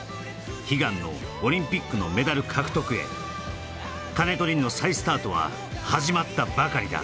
悲願のオリンピックのメダル獲得へ金戸凜の再スタートは始まったばかりだ